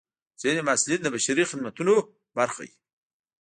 ځینې محصلین د بشري خدمتونو برخه وي.